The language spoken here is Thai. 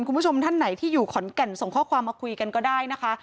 คุณผู้ชมท่านไหนที่อยู่ขอนแก่นส่งข้อความมาคุยกันก็ได้นะคะ